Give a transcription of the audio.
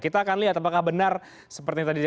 kita akan lihat apakah benar seperti tadi